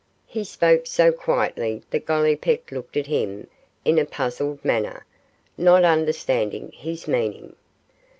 He spoke so quietly that Gollipeck looked at him in a puzzled manner, not understanding his meaning.